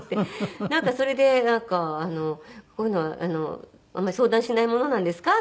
それでなんか「こういうのはあんまり相談しないものなんですか？」